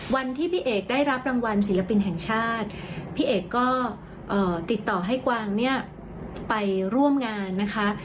วันที่พี่เอกได้รับรางวัลศิลปินแห่งชาติพี่เอกก็ติดต่อให้กวางเนี่ยไปร่วมงานนะคะ